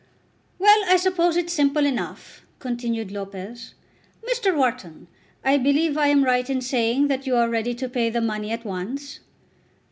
"Well, I suppose it's simple enough," continued Lopez. "Mr. Wharton, I believe I am right in saying that you are ready to pay the money at once."